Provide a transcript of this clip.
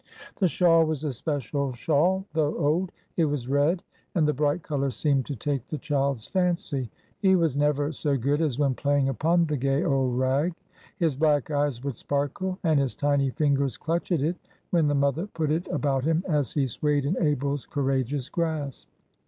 The shawl was a special shawl, though old. It was red, and the bright color seemed to take the child's fancy; he was never so good as when playing upon the gay old rag. His black eyes would sparkle, and his tiny fingers clutch at it, when the mother put it about him as he swayed in Abel's courageous grasp.